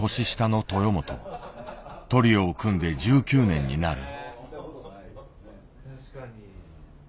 トリオを組んで１９年になる。